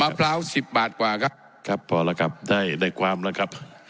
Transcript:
พร้าวสิบบาทกว่าครับครับพอแล้วครับได้ได้ความแล้วครับ